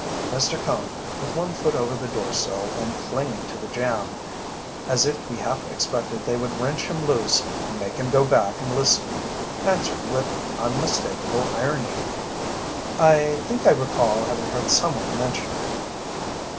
Mr. Cone, with one foot over the door sill and clinging to the jamb, as if he half expected they would wrench him loose and make him go back and listen, answered with unmistakable irony: "I think I recall having heard someone mention it."